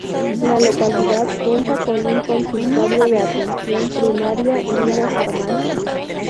La localidad cuenta con un consultorio de atención primaria y una farmacia.